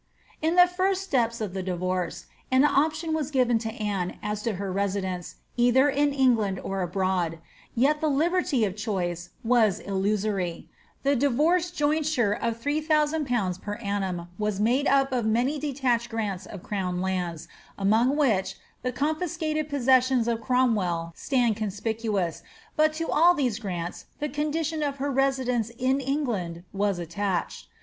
' In the first steps of the divorce, an option was given to Anne as to her residence, either in England or abroad ; yet the liberty of choice was illusory ; the divorce jointure of 3000/. per annum was nnde up of many detached grants of crown lands, among which the confiscated pot sessions of Cromwell stand conspicuous, but to all these grants the con dition of her residence in England was attached.